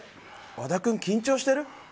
和田君、緊張してる？